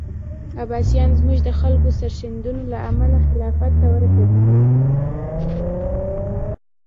عباسیان زموږ د خلکو سرښندنو له امله خلافت ته ورسېدل.